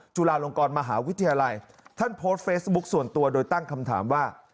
จุฬาลงกรมหาวิทยาลัยท่านโพสต์เฟซบุ๊คส่วนตัวโดยตั้งคำถามว่า